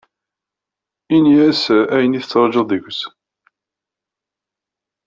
Ini-as ayen tettrajuḍ deg-s.